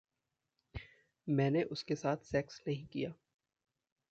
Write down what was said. मैंने उसके साथ सेक्स नहीं किया।